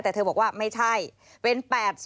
แต่เธอบอกว่าไม่ใช่เป็น๘๒